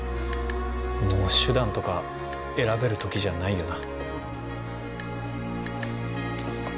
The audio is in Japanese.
もう手段とか選べる時じゃないよな。